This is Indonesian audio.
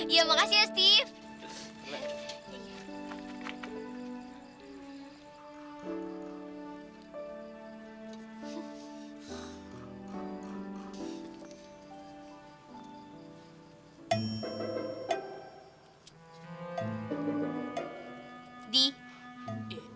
iya makasih ya steve